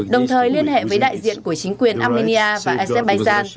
đồng thời liên hệ với đại diện của chính quyền armenia và azerbaijan